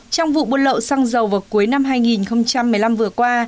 trong vụ buôn lậu xăng dầu vào cuối năm hai nghìn một mươi năm vừa qua